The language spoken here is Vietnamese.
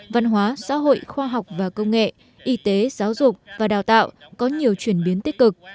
văn hóa xã hội khoa học và công nghệ y tế giáo dục và đào tạo có nhiều chuyển biến tích cực